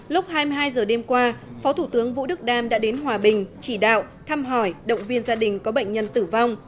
lúc hai mươi hai giờ đêm qua phó thủ tướng vũ đức đam đã đến hòa bình chỉ đạo thăm hỏi động viên gia đình có bệnh nhân tử vong